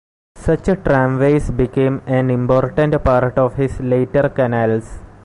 Such tramways became an important part of his later canals.